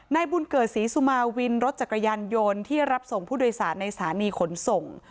บุญเกิดศรีสุมาวินรถจักรยานยนต์ที่รับส่งผู้โดยสารในสถานีขนส่ง